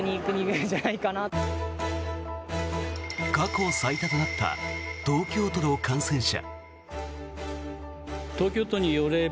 過去最多となった東京都の感染者。